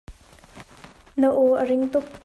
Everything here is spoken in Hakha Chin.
Na aw a ring tuk.